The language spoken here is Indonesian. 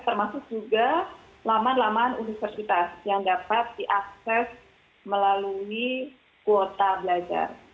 termasuk juga laman lamaan universitas yang dapat diakses melalui kuota belajar